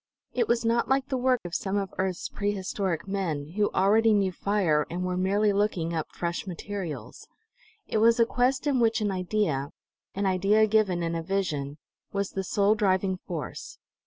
It was not like the work of some of earth's prehistoric men, who already knew fire and were merely looking up fresh materials; it was a quest in which an idea, an idea given in a vision, was the sole driving force.